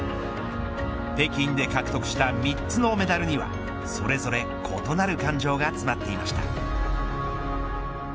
北京で獲得した３つのメダルにはそれぞれ異なる感情が詰まっていました。